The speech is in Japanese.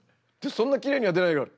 そんなきれいには出ないけど。